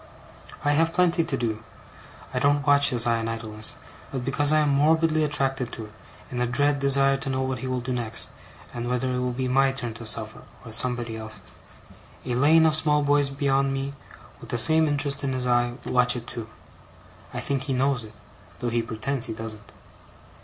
I have plenty to do. I don't watch his eye in idleness, but because I am morbidly attracted to it, in a dread desire to know what he will do next, and whether it will be my turn to suffer, or somebody else's. A lane of small boys beyond me, with the same interest in his eye, watch it too. I think he knows it, though he pretends he don't.